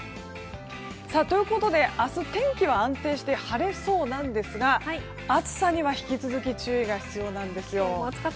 ということで明日、天気は安定して晴れそうなんですが暑さには引き続き注意が必要です。